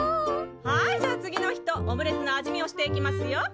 はいじゃあ次の人オムレツの味見をしていきますよ。